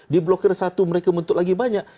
diblokir satu mereka mentuk lagi banyak